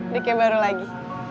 dike baru lagi